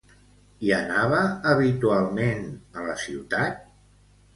Hi anava habitualment, a la ciutat?